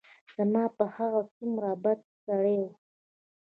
زما په پام هغه څومره بد سړى و.